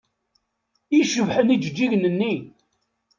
I cebḥen ijeǧǧigen-nni!